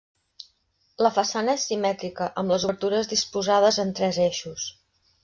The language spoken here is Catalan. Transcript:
La façana és simètrica amb les obertures disposades en tres eixos.